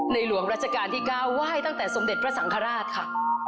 หลวงราชการที่๙ไหว้ตั้งแต่สมเด็จพระสังฆราชค่ะ